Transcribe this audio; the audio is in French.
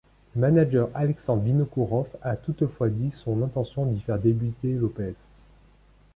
Le manager Alexandre Vinokourov a toutefois dit son intention d'y faire débuter López.